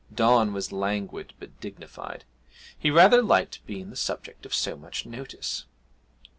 Don was languid, but dignified he rather liked being the subject of so much notice.